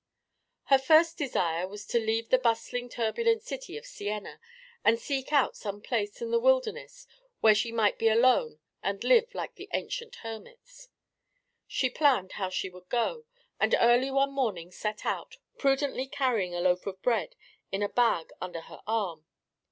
Her first desire was to leave the bustling turbulent city of Siena and seek out some place in the wilderness where she might be alone and live like the ancient hermits. She planned how she would go, and early one morning set out, prudently carrying a loaf of bread in a bag under her arm.